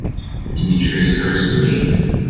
Dmitrius curses me!